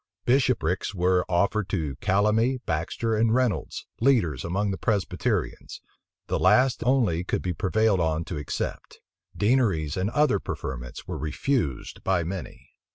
Bishoprics were offered to Calamy, Baxter, and Reynolds, leaders among the Presbyterians: the last only could be prevailed on to accept. Deaneries and other preferments were refused by many.